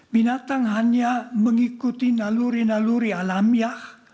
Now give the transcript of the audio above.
binatang hanya mengikuti naluri naluri alamiah